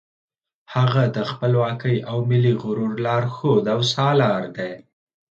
هغه د خپلواکۍ او ملي غرور لارښود او سالار دی.